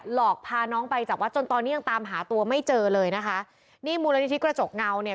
หลอกพาน้องไปจากวัดจนตอนนี้ยังตามหาตัวไม่เจอเลยนะคะนี่มูลนิธิกระจกเงาเนี่ย